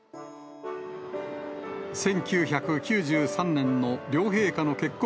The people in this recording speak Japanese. １９９３年の両陛下の結婚